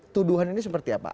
tuduhan ini seperti apa